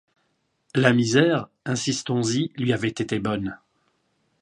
La misère, insistons-y, lui avait été bonne.